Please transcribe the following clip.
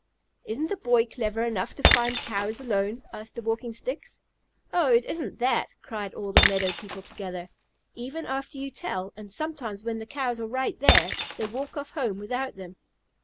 "Isn't a boy clever enough to find Cows alone?" asked the Walking Sticks. "Oh, it isn't that," cried all the meadow people together. "Even after you tell, and sometimes when the Cows are right there, they walk off home without them."